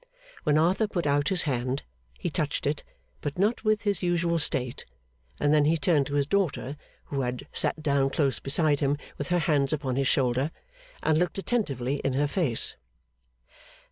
When Arthur put out his hand, he touched it, but not with his usual state; and then he turned to his daughter, who had sat down close beside him with her hands upon his shoulder, and looked attentively in her face.